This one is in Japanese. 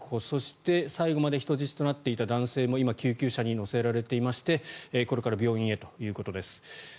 そして最後まで人質となっていた男性も今、救急車に乗せられていましてこれから病院へということです。